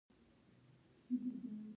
آزاد تجارت مهم دی ځکه چې دولت عاید لوړوي.